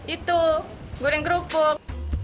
itu goreng kerupuk